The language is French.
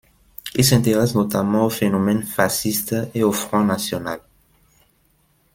Il s'intéresse notamment aux phénomènes fascistes et au Front national.